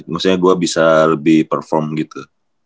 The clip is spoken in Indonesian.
maksudnya gue bisa lebih perform gitu